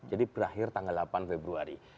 jadi berakhir tanggal delapan februari